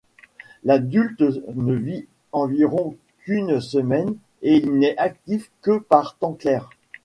L'adulte ne vit environ qu'une semaine, et il n'est actif que par temps clair.